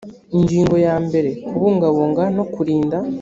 ingingo ya mbere kubungabunga no kurinda